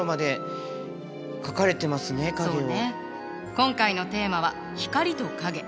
今回のテーマは「光と影」。